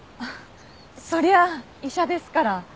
そりゃあ医者ですから。